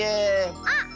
あっ！